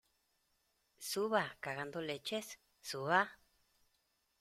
suba, cagando leches. ¡ suba!